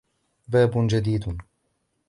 بَابٌ جَدِيدٌ